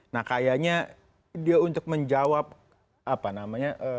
nah kayaknya dia untuk menjawab apa namanya